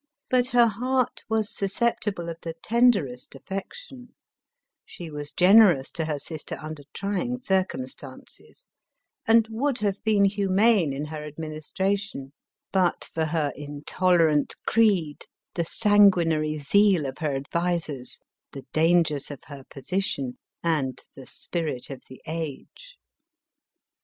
But her heort was sus ceptible of the tenderest affection ; she was generous to her sister under trying circumstances, and would l>een humane in her administration but for her intolerant creed, the' sanguinary zeal of her advisers, ihe dangers of her position and the spirit of the age.